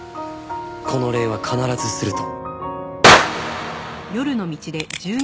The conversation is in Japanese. この礼は必ずすると。